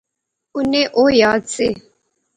انیں او یاد سے